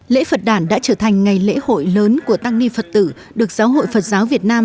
lễ phật đàn đã trở thành ngày lễ hội lớn của tăng ni phật tử được giáo hội phật giáo việt nam